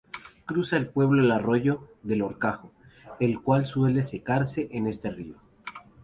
Cruza el pueblo el arroyo del Horcajo, el cual suele secarse en el estío.